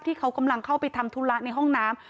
ที่เขากำลังเข้าไปทำธุระในห้องน้ำ